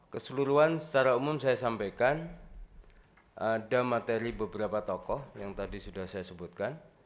keseluruhan secara umum saya sampaikan ada materi beberapa tokoh yang tadi sudah saya sebutkan